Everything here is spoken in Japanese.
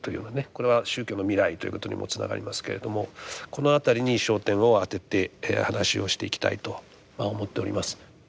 これは宗教の未来ということにもつながりますけれどもこの辺りに焦点を当てて話をしていきたいとまあ思っております。